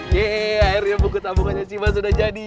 yeay akhirnya buku tabungannya ciba sudah jadi